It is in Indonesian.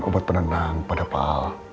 obat penendang pada paal